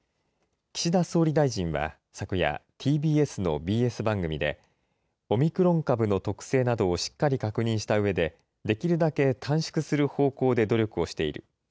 岸田総理大臣は昨夜、ＴＢＳのＢＳ番組で、オミクロン株の特性などをしっかり確認したうえで、できるだけ短縮する方向で努力をしている。